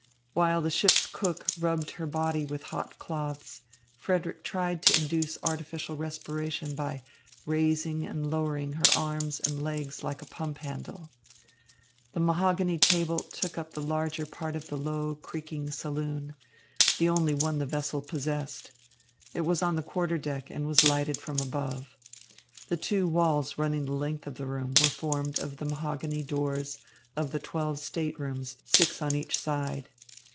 While the ship's cook rubbed her body with hot cloths, Frederick tried to induce artificial respiration by raising and lowering her arms and legs like a pump handle. The mahogany table took up the larger part of the low, creaking saloon, the only one the vessel possessed. It was on the quarter deck and was lighted from above. The two walls running the length of the room were formed of the mahogany doors of the twelve staterooms, six on each side.